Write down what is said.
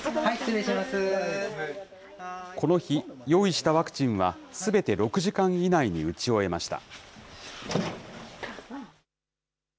この日、用意したワクチンはすべて６時間以内に打ち終えました。